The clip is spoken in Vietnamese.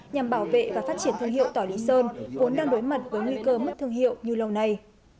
nhằm bảo vệ và phát triển thương hiệu tỏ lý sơn vốn đang đối mặt với nguy cơ mất thương hiệu như lâu nay